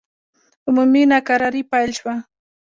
عمومي ناکراري پیل شوه.